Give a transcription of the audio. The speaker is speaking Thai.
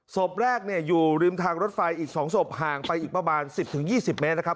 ศพแรกอยู่ริมทางรถไฟอีก๒ศพห่างไปอีกประมาณ๑๐๒๐เมตรนะครับ